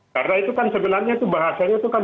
karena itu kan sebenarnya bahasanya itu kan